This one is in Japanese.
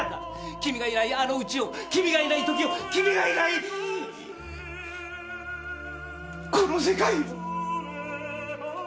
君がいないあの家を君がいない時を君がいないこの世界を。